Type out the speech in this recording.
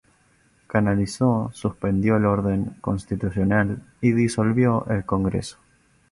Canalizo suspendió el orden constitucional y disolvió el Congreso.